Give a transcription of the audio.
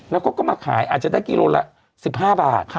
แล้วก็มาขายอาจจะได้กิโลละ๑๕บาท